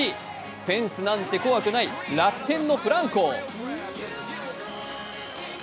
フェンスなんて怖くない、楽天のフランコ。